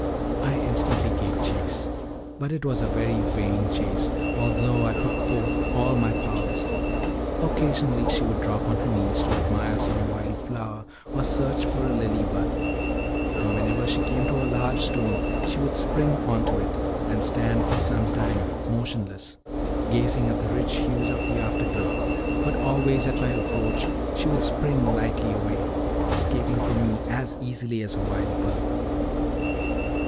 I instantly gave chase; but it was a very vain chase, although I put forth all my powers. Occasionally she would drop on her knees to admire some wild flower, or search for a lily bud; and whenever she came to a large stone, she would spring on to it, and stand for some time motionless, gazing at the rich hues of the afterglow; but always at my approach she would spring lightly away, escaping from me as easily as a wild bird.